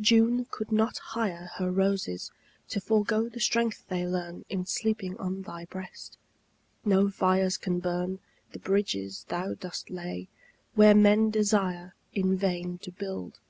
June could not hire Her roses to forego the strength they learn In sleeping on thy breast. No fires can burn The bridges thou dost lay where men desire In vain to build.